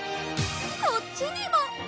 こっちにも！